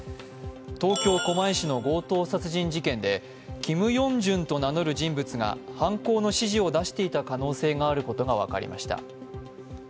東京・狛江市の強盗殺人事件で、「ＫｉｍＹｏｕｎｇ−ｊｕｎ」と名乗る人物が犯行の指示を出していた可能性があることが分かりました。